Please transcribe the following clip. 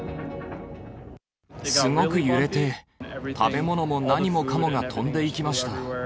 すごく揺れて、食べ物も何もかもが飛んでいきました。